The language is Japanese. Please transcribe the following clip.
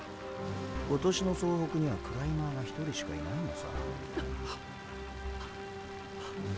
今年の総北にはクライマーが１人しかいないのさ。